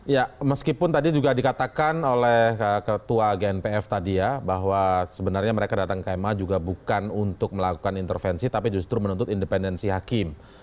ya meskipun tadi juga dikatakan oleh ketua gnpf tadi ya bahwa sebenarnya mereka datang ke ma juga bukan untuk melakukan intervensi tapi justru menuntut independensi hakim